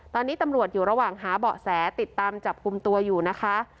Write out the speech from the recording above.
ตอนนี้ตำรวจอยู่ระหว่างหาเบาะแสติดตามจับกลุ่มตัวอยู่นะคะ